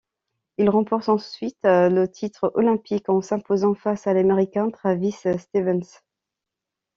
Il remporte ensuite le titre olympique en s'imposant face à l'Américain Travis Stevens.